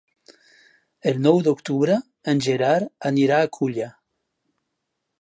El nou d'octubre en Gerard anirà a Culla.